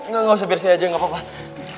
nggak usah biar saya aja nggak apa apa